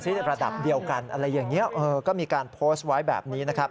ในระดับเดียวกันอะไรอย่างนี้ก็มีการโพสต์ไว้แบบนี้นะครับ